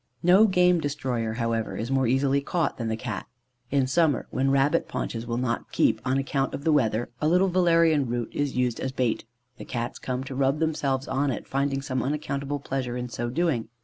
No game destroyer, however, is more easily caught than the Cat. In summer, when rabbit paunches will not keep on account of the weather, a little valerian root is used as a bait. The Cats come to rub themselves on it, finding some unaccountable pleasure in so doing.